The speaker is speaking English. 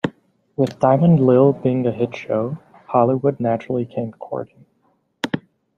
With "Diamond Lil" being a hit show, Hollywood naturally came courting.